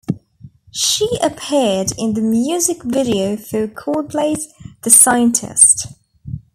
She appeared in the music video for Coldplay's "The Scientist".